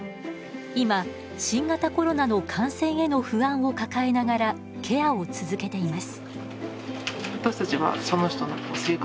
今新型コロナの感染への不安を抱えながらケアを続けています。